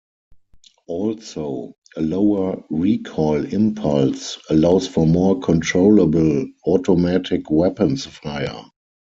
Also, a lower recoil impulse, allows for more controllable automatic weapons fire.